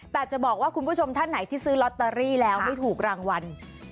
แต่จะบอกว่าคุณผู้ชมท่านไหนที่ซื้อลอตเตอรี่แล้วไม่ถูกรางวัล